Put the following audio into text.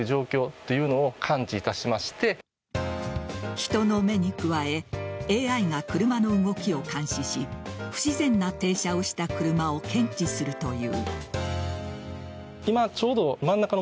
人の目に加えＡＩが車の動きを監視し不自然な停車をした車を検知するという。